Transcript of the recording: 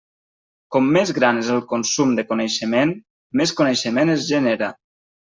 Com més gran és el consum de coneixement, més coneixement es genera.